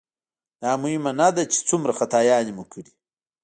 دا مهمه نه ده چې څومره خطاګانې مو کړي.